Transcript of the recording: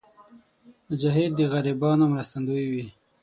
مجاهد د غریبانو مرستندوی وي.